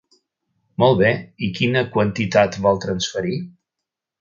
Molt bé, i quina quantitat vol transferir?